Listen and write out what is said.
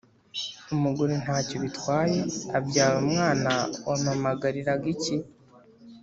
Umugore ntacyo bitwaye abyara umwana wampamagariraga iki.